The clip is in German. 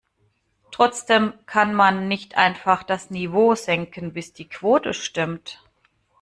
Trotzdem kann man nicht einfach das Niveau senken, bis die Quote stimmt.